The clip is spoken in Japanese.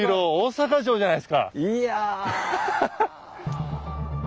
いや。